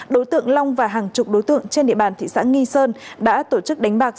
đối tượng long và hàng chục đối tượng trên địa bàn thị xã nghi sơn đã tổ chức đánh bạc